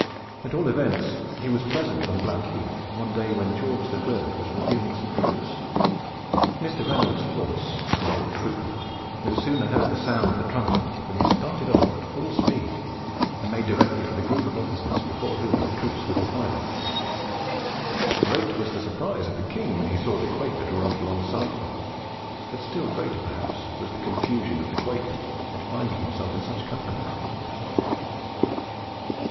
At all event's he was present on Blackheath one day when George III. was reviewing some troops. Mr. Reynold's horse, an old trooper, no sooner heard the sound of the trumpet than he started off at full speed, and made directly for the group of officers before whom the troops were defiling. Great was the surprise of the King when he saw the Quaker draw up alongside of him, but still greater, perhaps, was the confusion of the Quaker at finding himself in such company.